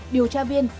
điều tra viên